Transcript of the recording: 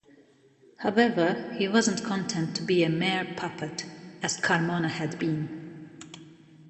However, he was not content to be a mere puppet, as Carmona had been.